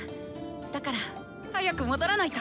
だから早く戻らないと！